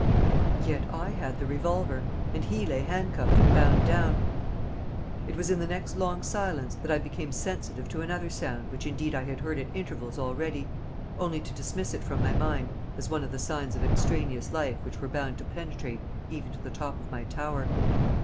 Yet I had the revolver, and he lay handcuffed and bound down! It was in the next long silence that I became sensitive to another sound which indeed I had heard at intervals already, only to dismiss it from my mind as one of the signs of extraneous life which were bound to penetrate even to the top of my tower.